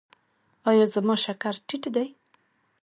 ایا زما شکر ټیټ دی؟